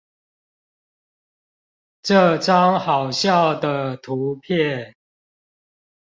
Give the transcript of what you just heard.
這張好笑的圖片